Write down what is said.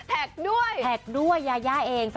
แท็กด้วยแท็กด้วยยาเอง